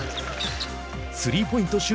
スリーポイント